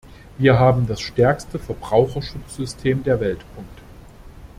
Wir haben das stärkste Verbraucherschutzsystem der Welt.